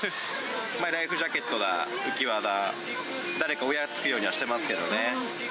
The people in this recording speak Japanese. ライフジャケットだ、浮き輪だ、誰か親つくようにはしてますけどね。